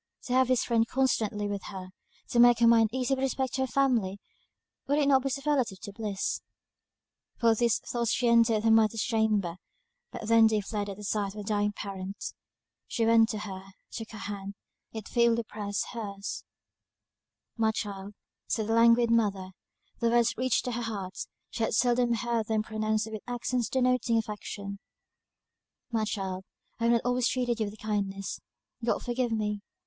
To have this friend constantly with her; to make her mind easy with respect to her family, would it not be superlative bliss? Full of these thoughts she entered her mother's chamber, but they then fled at the sight of a dying parent. She went to her, took her hand; it feebly pressed her's. "My child," said the languid mother: the words reached her heart; she had seldom heard them pronounced with accents denoting affection; "My child, I have not always treated you with kindness God forgive me!